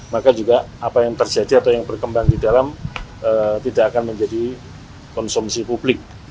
maka juga apa yang terjadi atau yang berkembang di dalam tidak akan menjadi konsumsi publik